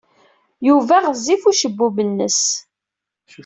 Yuba ɣezzif ucebbub-nnes.